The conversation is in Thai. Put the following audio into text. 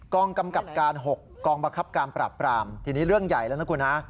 กล้องกำกับการ๖กล้องประคับการปราบทีนี้เรื่องใหญ่แล้วนะครับคุณฮะ